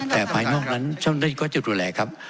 แต่ภายนอกนั้นผมยังจะรับแรกครับ